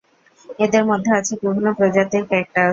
এদের মধ্যে আছে বিভিন্ন প্রজাতির ক্যাকটাস।